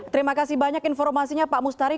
terima kasih banyak informasinya pak mustari